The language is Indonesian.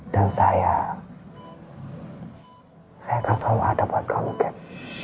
dan saya saya akan selalu ada buat kamu kat